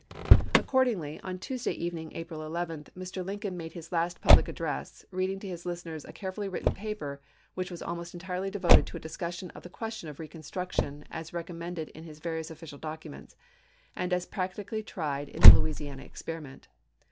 Accordingly, on Tuesday evening, April 11, Mr. ism. Lincoln made his last public address, reading to his listeners a carefully written paper, which was al most entirely devoted to a discussion of the ques tion of reconstruction as recommended in his various official documents, and as practically tried in the Louisiana experiment.